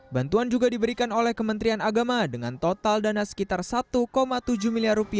bantuan juga diberikan oleh kementerian agama dengan total dana sekitar rp satu tujuh miliar